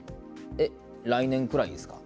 え、来年くらいですか。